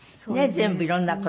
全部いろんな事。